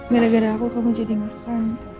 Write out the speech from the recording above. gara gara aku kamu jadi makan